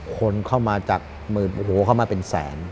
คนเข้ามาจากหมื่นโอ้โหเข้ามาเป็นแสน